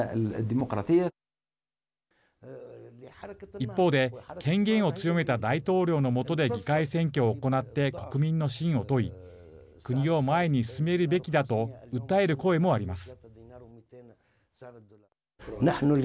一方で権限を強めた大統領のもとで議会選挙を行って国民の信を問い国を前に進めるべきだと訴える声もあります。